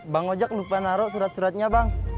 bang ojak lupa naro surat suratnya bang